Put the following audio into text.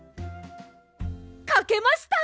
かけました！